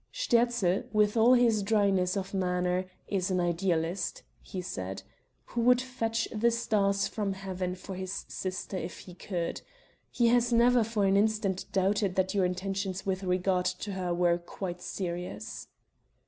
"Sterzl, with all his dryness of manner, is an idealist," he said, "who would fetch the stars from heaven for his sister if he could. He has never for an instant doubted that your intentions with regard to her were quite serious."